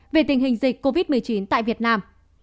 về tình hình dịch covid một mươi chín tại việt nam